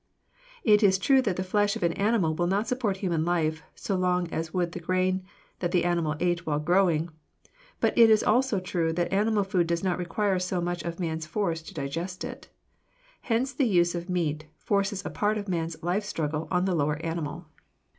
It is true that the flesh of an animal will not support human life so long as would the grain that the animal ate while growing, but it is also true that animal food does not require so much of man's force to digest it. Hence the use of meat forces a part of man's life struggle on the lower animal.